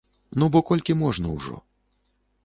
Ну бо колькі можна ўжо.